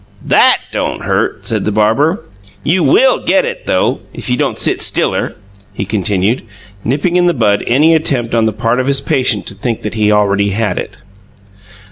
"THAT don't hurt!" said the barber. "You WILL get it, though, if you don't sit stiller," he continued, nipping in the bud any attempt on the part of his patient to think that he already had "it."